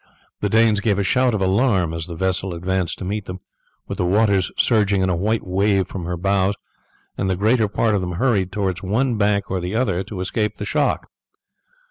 The Danes gave a shout of alarm as the vessel advanced to meet them with the water surging in a white wave from her bows, and the greater part of them hurried towards one bank or the other to escape the shock.